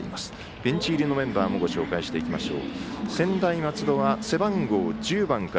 ベンチ入りのメンバーもご紹介していきましょう。